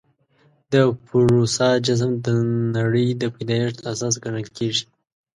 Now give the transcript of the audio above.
د پوروسا جسم د نړۍ د پیدایښت اساس ګڼل کېږي.